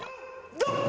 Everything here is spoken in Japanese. ドン！